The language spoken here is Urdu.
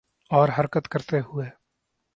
اور حرکت کرتے ہوئے